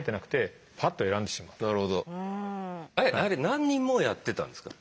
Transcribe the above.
あれ何人もやってたんですか？